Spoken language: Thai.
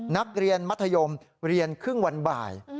นักเรียนมัธยมเรียนครึ่งวันบ่าย